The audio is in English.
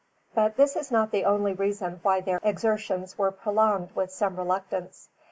But this was not the only reason why their exertions were prolonged with some reluctance.